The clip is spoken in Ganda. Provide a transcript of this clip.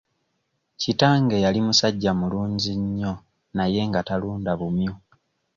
Kitange yali musajja mulunzi nnyo naye nga talunda bumyu.